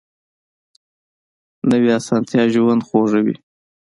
نوې اسانتیا ژوند خوږوي